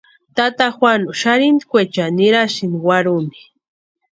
Tata Juanu xarhintkweechani nirasïnti warhuni.